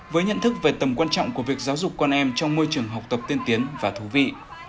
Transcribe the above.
với nhận thức về tầm quan trọng của việc giáo dục con em trong môi trường học tập tiên tiến và thú vị